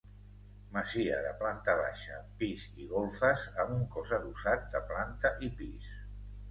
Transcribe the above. Masia de planta baixa, pis i golfes amb un cos adossat de planta i pis.